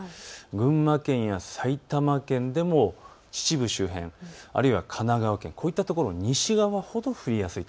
群馬県や埼玉県でも秩父周辺、あるいは神奈川県、こういったところ西側ほど降りやすい。